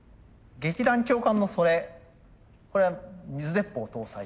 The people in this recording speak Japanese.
劇団教官のそれこれは水鉄砲搭載？